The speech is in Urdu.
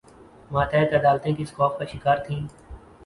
ماتحت عدالتیں کس خوف کا شکار تھیں؟